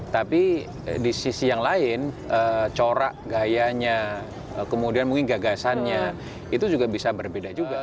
tapi di sisi yang lain corak gayanya kemudian mungkin gagasannya itu juga bisa berbeda juga